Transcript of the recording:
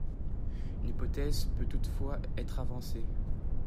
Une hypothèse peut toutefois être avancée.